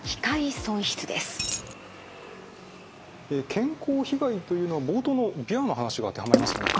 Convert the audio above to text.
健康被害というのは冒頭のビワの話が当てはまりますかね？